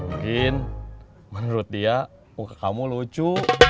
mungkin menurut dia muka kamu lucu